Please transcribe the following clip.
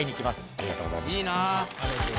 ありがとうございます。